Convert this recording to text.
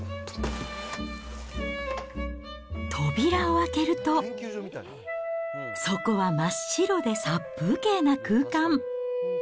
扉を開けると、そこは真っ白で殺風景な空間。